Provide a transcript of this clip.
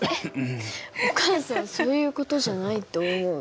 お母さんそういう事じゃないと思うよ。